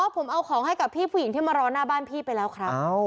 ผมเอาของให้กับพี่ผู้หญิงที่มารอหน้าบ้านพี่ไปแล้วครับ